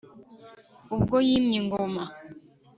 ubwo yimye ingoma